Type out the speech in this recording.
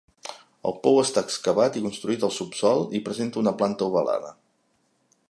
El pou està excavat i construït al subsòl i presenta una planta ovalada.